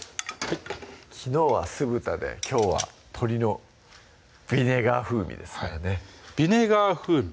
昨日は酢豚できょうは「鶏のヴィネガー風味」ですからね「ヴィネガー風味」